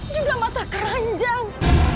juga mata keranjang